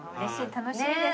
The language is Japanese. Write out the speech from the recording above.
楽しみです。